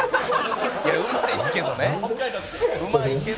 「いやうまいっすけどね」